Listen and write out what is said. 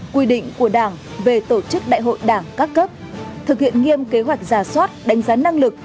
quy định của đảng về tổ chức đại hội đảng các cấp thực hiện nghiêm kế hoạch giả soát đánh giá năng lực